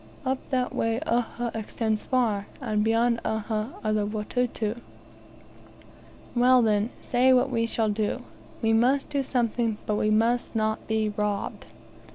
"Up that way Uhha extends far; and beyond Uhha are the Watuta." "Well, then, say what we shall do. We must do something; but we must not be robbed."